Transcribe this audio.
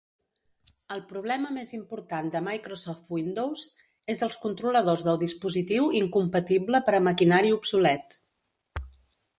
El problema més important de Microsoft Windows és els controladors del dispositiu incompatible per a maquinari obsolet.